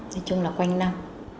nói chung là quanh năm